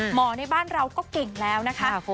ในบ้านเราก็เก่งแล้วนะคะ